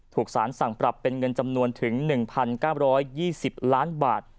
ถูกสารสั่งปรับเป็นเงินจำนวนถึง๑๙๒๐ล้านบาท